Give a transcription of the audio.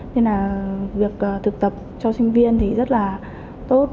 nên là việc thực tập cho sinh viên thì rất là tốt